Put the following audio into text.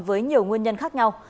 với nhiều nguyên nhân khác nhau